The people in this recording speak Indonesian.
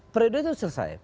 periode itu sudah selesai